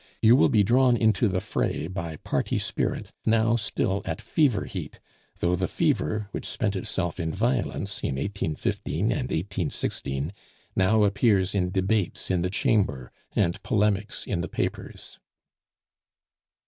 You will be drawn into the fray by party spirit now still at fever heat; though the fever, which spent itself in violence in 1815 and 1816, now appears in debates in the Chamber and polemics in the papers."